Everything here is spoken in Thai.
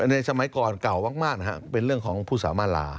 ในสมัยก่อนเก่ามากนะครับเป็นเรื่องของผู้สามาลา